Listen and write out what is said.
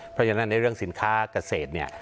เพราะฉะนั้นในเรื่องสินค้าเกษตรเนี่ย